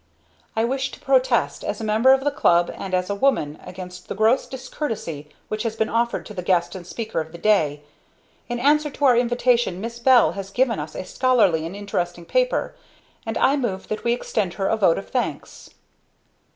"I wish to protest, as a member of the Club, and as a woman, against the gross discourtesy which has been offered to the guest and speaker of the day. In answer to our invitation Miss Bell has given us a scholarly and interesting paper, and I move that we extend her a vote of thanks."